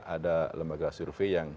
ada lembaga survei yang